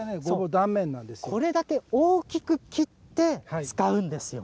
これだけ大きく切って使うんです。